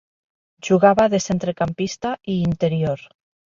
Jugava de centrecampista i interior.